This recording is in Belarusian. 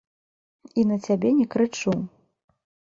І на цябе не крычу.